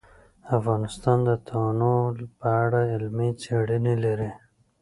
افغانستان د تنوع په اړه علمي څېړنې لري.